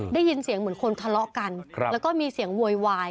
ได้ยินเสียงเหมือนคนทะเลาะกันแล้วก็มีเสียงโวยวาย